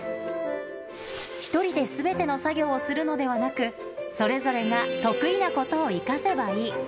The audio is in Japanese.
一人ですべての作業をするのではなく、それぞれが得意なことを生かせばいい。